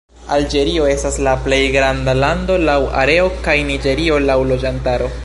Alĝerio estas la plej granda lando laŭ areo, kaj Niĝerio laŭ loĝantaro.